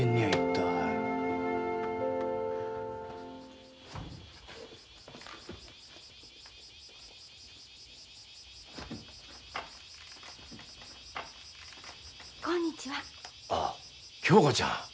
あ恭子ちゃん。